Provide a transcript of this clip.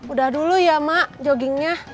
udah dulu ya mak joggingnya